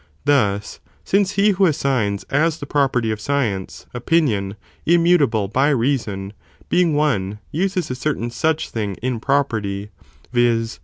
Thus, since he who assigns as the property of science, opinion immutable by reason, being one, uses a certain such thing in property, viz.